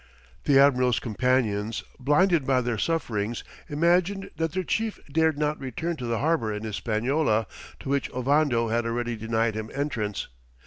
The admiral's companions, blinded by their sufferings, imagined that their chief dared not return to the harbour in Hispaniola, to which Ovando had already denied him entrance.